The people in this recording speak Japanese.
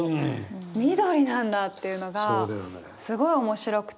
緑なんだっていうのがすごい面白くて。